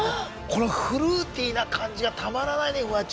このフルーティーな感じがたまらないね。